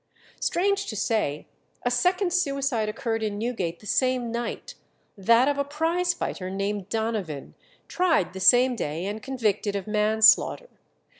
Strange to say, a second suicide occurred in Newgate the same night, that of a prize fighter named Donovan, tried the same day, and convicted of manslaughter.